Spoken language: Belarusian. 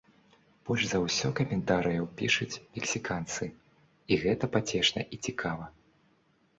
Больш за ўсё каментарыяў пішуць мексіканцы, і гэта пацешна і цікава.